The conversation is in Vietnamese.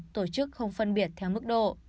tổ chức không phân biệt theo mức độ